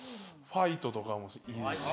『ファイト！』とかもいいですし。